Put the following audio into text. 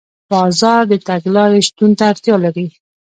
بازار د تګلارې شتون ته اړتیا لري.